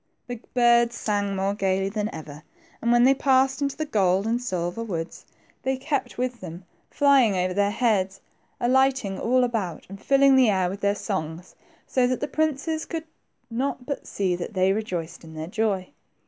The birds sang more gayly than ever, and when they passed into the gold and silver woods, they kept 94 THE TWO PRINCES. with them, flying over their heads, alighting all about and filling the air with their songs, so that the princes could not but see that they rejoiced in their joy.